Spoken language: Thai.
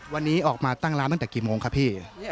วันนี้ออกมาตั้งร้านตั้งแต่กี่โมงครับพี่